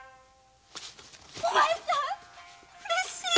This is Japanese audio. お前さん！？